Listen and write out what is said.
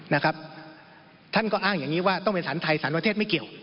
นะครับท่านก็อ้างอย่างนี้ว่าต้องเป็นสารไทยสารประเทศไม่เกี่ยว